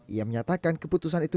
ia menyatakan keputusan itu